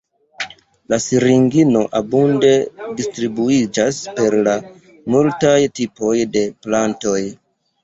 La siringino abunde distribuiĝas per multaj tipoj de plantoj.